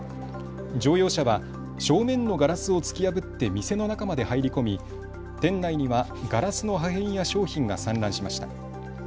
乗用車は正面のガラスを突き破って店の中まで入り込み店内にはガラスの破片や商品が散乱しました。